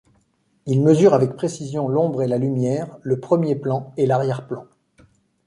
Ils mesurent avec précision l'ombre et la lumière, le premier plan et l'arrière-plan...